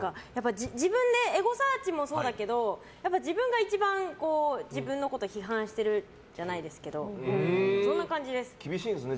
自分でエゴサーチもそうだけど自分で一番自分のことを批判してるじゃないですけど厳しいんですね。